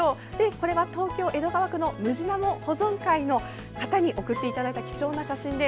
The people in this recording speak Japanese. これは東京・江戸川区のムジナモ保存会の方に送っていただいた貴重な写真で。